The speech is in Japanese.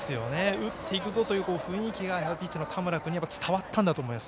打っていくぞという雰囲気がピッチャーの田村君に伝わったんだと思います。